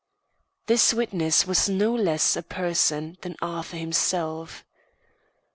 This witness was no less a person than Arthur himself.